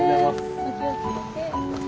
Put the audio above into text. お気をつけて。